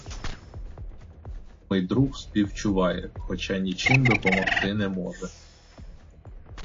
Невідомий друг співчуває, хоча нічим допомогти не може.